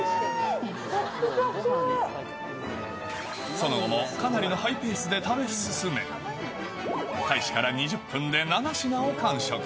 その後もかなりのハイペースで食べ進め、開始から２０分で７品を完食。